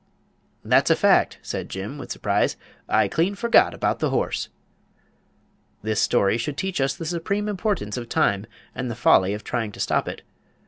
"That's a fact," said Jim, with surprise; "I clean forgot about the horse!" This story should teach us the supreme importance of Time and the folly of trying to stop it.